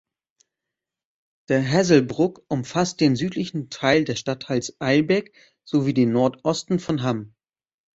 Der Hasselbrook umfasst den südlichen Teil des Stadtteils Eilbek sowie den Nordosten von Hamm.